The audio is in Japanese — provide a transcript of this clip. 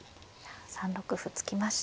３六歩突きました。